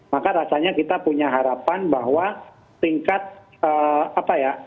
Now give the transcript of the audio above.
maka rasanya kita punya harapan bahwa tingkat apa ya